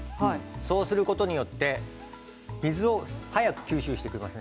そうすることによって水を早く吸収してくれます。